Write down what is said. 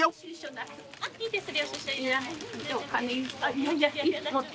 いやいやいや。